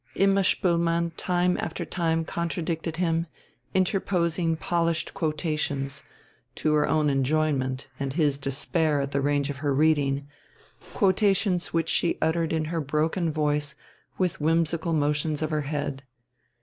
Imma Spoelmann time after time contradicted him, interposing polished quotations to her own enjoyment, and his despair at the range of her reading quotations which she uttered in her broken voice, with whimsical motions of her head.